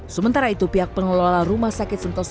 sementara itu pihak pengelola rumah sakit sentosa